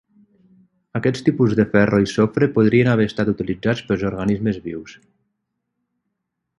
Aquests tipus de ferro i sofre podrien haver estat utilitzats pels organismes vius.